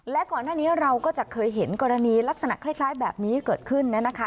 และก่อนหน้านี้เราก็จะเคยเห็นกรณีลักษณะคล้ายแบบนี้เกิดขึ้นนะคะ